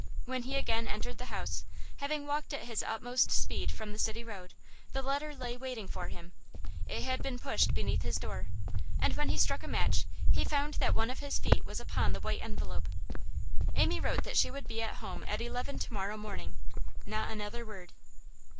When he again entered the house, having walked at his utmost speed from the City Road, the letter lay waiting for him; it had been pushed beneath his door, and when he struck a match he found that one of his feet was upon the white envelope. Amy wrote that she would be at home at eleven to morrow morning. Not another word.